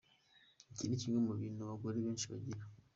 Iki ni kimwe mu bintu abagore benshi bagira.